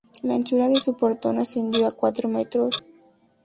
La anchura de ese portón ascendió a cuatro metros.